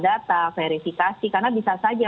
data verifikasi karena bisa saja